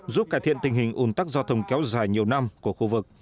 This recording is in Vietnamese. giúp cải thiện tình hình ủn tắc giao thông kéo dài nhiều năm của khu vực